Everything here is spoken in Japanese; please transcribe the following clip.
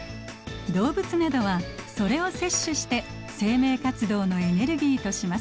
動物などはそれを摂取して生命活動のエネルギーとします。